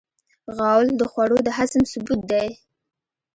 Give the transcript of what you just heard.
غول د خوړو د هضم ثبوت دی.